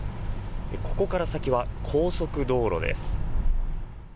ここから先は高速道路です。